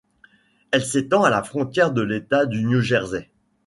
Elle s'étend à la frontière de l'État du New Jersey.